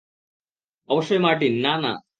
অবশ্যই মার্টিন না, না।